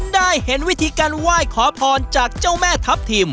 ได้เห็นวิธีการไหว้ขอพรจากเจ้าแม่ทัพทิม